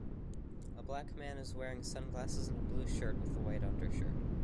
A black man is wearing sunglasses and a blue shirt with a white undershirt.